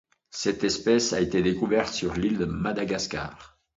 Cette espèce a été découverte sur l'île de Madagascar.